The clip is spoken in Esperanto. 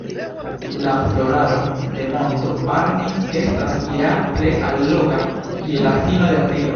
La floraro de monto Parnis estas ja tre alloga, je la fino de aprilo.